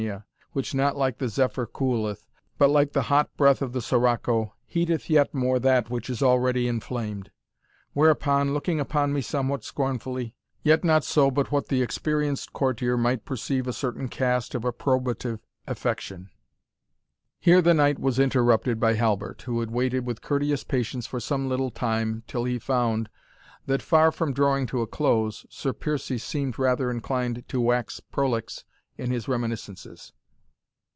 receive again that too fatal gift, which not like the Zephyr cooleth, but like the hot breath of the Sirocco, heateth yet more that which is already inflamed. Whereupon, looking upon me somewhat scornfully, yet not so but what the experienced courtier might perceive a certain cast of approbative affection " Here the knight was interrupted by Halbert, who had waited with courteous patience for some little time, till he found, that far from drawing to a close, Sir Piercie seemed rather inclined to wax prolix in his reminiscences.